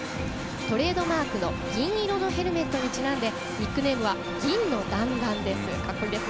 トレードマークの銀色のヘルメットにちなんでニックネームは銀の弾丸です。